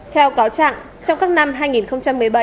theo cáo trạng